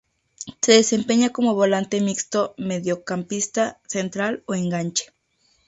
Se desempeña como Volante Mixto, Mediocampista Central o Enganche.